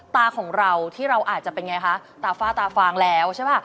ตาของเราที่เราอาจจะเป็นไงคะตาฝ้าตาฟางแล้วใช่ป่ะ